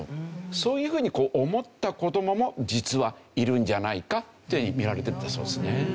そういうふうに思った子どもも実はいるんじゃないかっていうふうに見られてるんだそうですね。